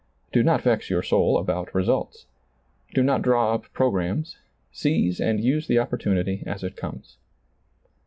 Do not vex your soul about results. Do not draw up pro grammes; seize and use the opportunity as it comes.